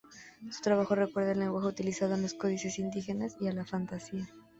Su trabajo recuerda al lenguaje utilizado en los códices indígenas y a la fantasía.